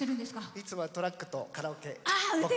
いつもはトラックとカラオケボックス。